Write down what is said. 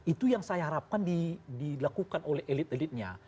itu yang saya harapkan dilakukan oleh elit elitnya